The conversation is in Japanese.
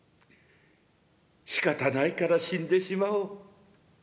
しかたないから死んでしまおう。